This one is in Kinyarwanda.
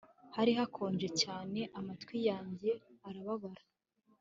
Hari hakonje cyane amatwi yanjye arababara